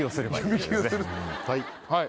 はい。